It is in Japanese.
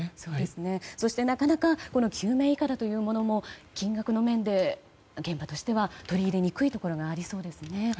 そして、なかなか救命いかだというのも金額の面で現場としては取り入れにくいところもありそうですね。